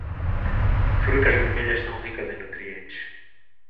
Frutas vermelhas são ricas em nutrientes.